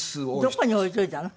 どこに置いといたの？